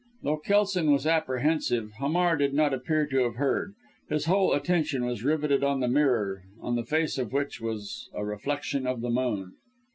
Though Kelson was apprehensive, Hamar did not appear to have heard; his whole attention was riveted on the mirror, on the face of which was a reflection of the moon.